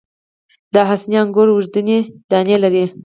د حسیني انګور اوږدې دانې لري.